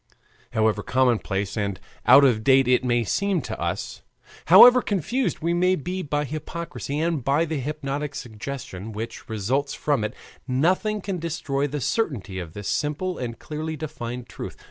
However commonplace and out of date it may seem to us, however confused we may be by hypocrisy and by the hypnotic suggestion which results from it, nothing can destroy the certainty of this simple and clearly defined truth.